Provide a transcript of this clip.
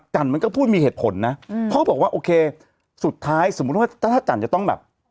มันก็พูดมีเหตุผลนะเขาก็บอกว่าโอเคสุดท้ายสมมุติว่าถ้าจันจะต้องแบบ